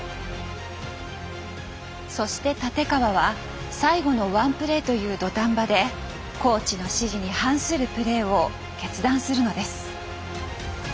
そして立川は最後の１プレーという土壇場でコーチの指示に反するプレーを決断するのです。